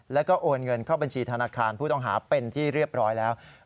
แล้วก็โอนเงินเข้าบัญชีธนาคารผู้ต้องหาเป็นที่เรียบร้อยแล้ว